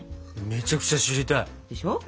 めちゃくちゃ知りたい。でしょ？